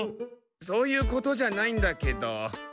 そういうことじゃないんだけど。